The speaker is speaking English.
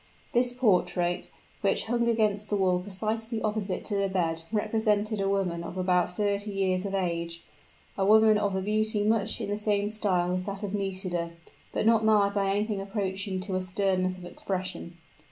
This portrait, which hung against the wall precisely opposite to the bed, represented a woman of about thirty years of age a woman of a beauty much in the same style as that of Nisida, but not marred by anything approaching to a sternness of expression.